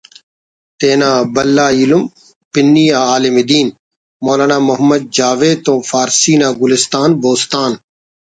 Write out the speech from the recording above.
تینا بھلا ایلم پنی آ عالم دین مولانا محمد جاوید تون فارسی نا گلستان بوستان